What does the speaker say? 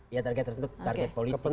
ya target tertentu target politik